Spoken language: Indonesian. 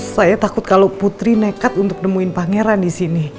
saya takut kalau putri nekat untuk nemuin pangeran disini